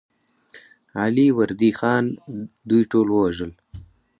علي وردي خان دوی ټول ووژل.